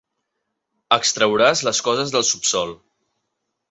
Extrauràs les coses del subsòl.